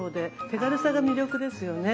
手軽さが魅力ですよね。